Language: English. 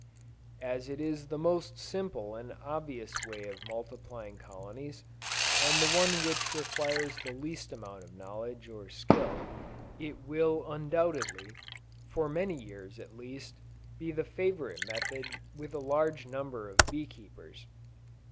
As it is the most simple and obvious way of multiplying colonies, and the one which requires the least amount of knowledge or skill, it will undoubtedly, for many years at least, be the favorite method with a large number of bee keepers.